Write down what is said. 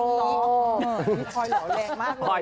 พอยเหล่าแรงมากเลย